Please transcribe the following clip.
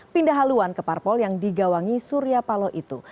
pindah haluan ke parpol yang digawangi surya paloh itu